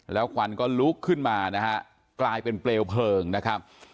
แล้วควันก็ลุกขึ้นมานะฮะกลายเป็นเปลวเพลิงนะครับ